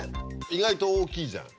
意外と大きいじゃん。